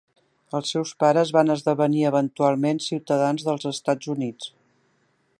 Els seus pares van esdevenir eventualment ciutadans dels Estats Units.